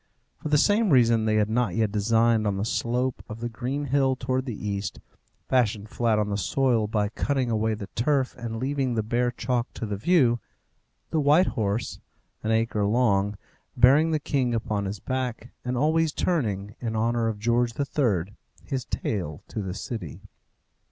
For the same reason they had not yet designed on the slope of the green hill towards the east, fashioned flat on the soil by cutting away the turf and leaving the bare chalk to the view, the white horse, an acre long, bearing the king upon his back, and always turning, in honour of George III., his tail to the city.